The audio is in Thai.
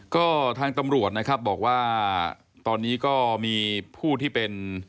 ก็ทางตำรวจนะครับบอกว่าตอนนี้ก็มีผู้ที่เป็น